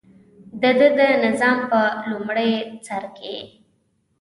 دده د نظام په لومړي سر کې.